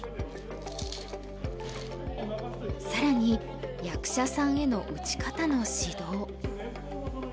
更に役者さんへの打ち方の指導。